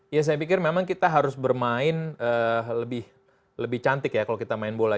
ya saya pikir memang kita harus bermain lebih cantik ya kalau kita main bola